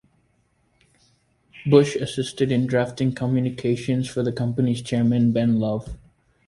Bush assisted in drafting communications for the company's chairman, Ben Love.